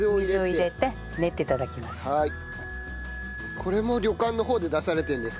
これも旅館の方で出されてるんですか？